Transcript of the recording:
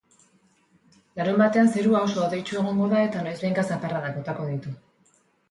Larunbatean zerua oso hodeitsu egongo da eta noizbehinka zaparradak botako ditu.